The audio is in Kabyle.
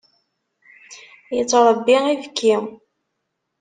Yettṛebbi ibekki.